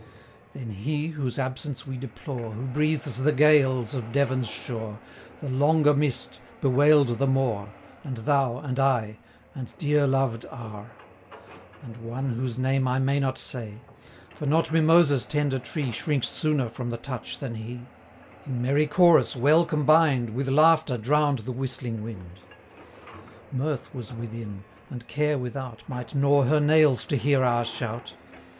190 Then he, whose absence we deplore, Who breathes the gales of Devon's shore, The longer miss'd, bewail'd the more; And thou, and I, and dear loved R , And one whose name I may not say, 195 For not Mimosa's tender tree Shrinks sooner from the touch than he, In merry chorus well combined, With laughter drown'd the whistling wind. Mirth was within; and care without 200 Might gnaw her nails to hear our shout.